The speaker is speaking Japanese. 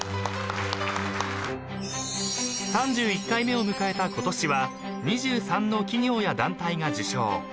［３１回目を迎えた今年は２３の企業や団体が受賞］